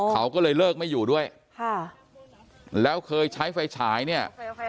เขาก็เลยเลิกไม่อยู่ด้วยค่ะแล้วเคยใช้ไฟฉายเนี่ย